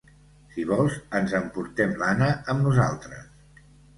Si vols, ens emportem l'Anna amb nosaltres.